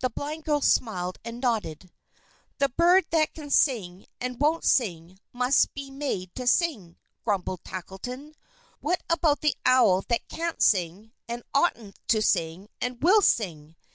The blind girl smiled and nodded. "The bird that can sing and won't sing, must be made to sing," grumbled Tackleton. "What about the owl that can't sing, and oughtn't to sing, and will sing.